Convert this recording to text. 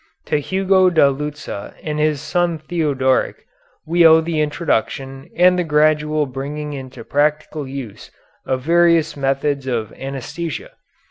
To Hugo da Lucca and his son Theodoric we owe the introduction and the gradual bringing into practical use of various methods of anæsthesia.